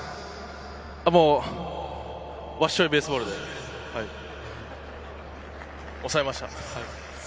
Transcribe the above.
もうワッショイベースボールで抑えました。